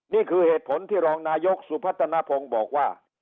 นี่คือเหตุผลที่รองนายกสุพัฒนภงบอกว่า